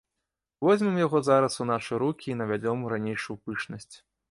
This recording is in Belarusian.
Возьмем яго зараз у нашы рукі і навядзём ранейшую пышнасць.